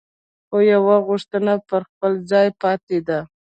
خو یوه غوښتنه پر خپل ځای پاتې ده.